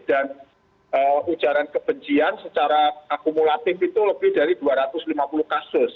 dan ujaran kebencian secara akumulatif itu lebih dari dua ratus lima puluh kasus